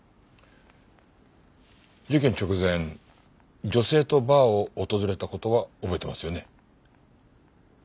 事件直前女性とバーを訪れた事は覚えてますよね？